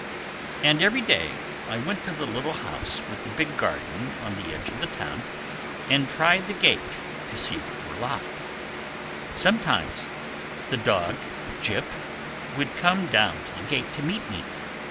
And every day I went to the little house with the big garden on the edge of the town and tried the gate to see if it were locked. Sometimes the dog, Jip, would come down to the gate to meet me.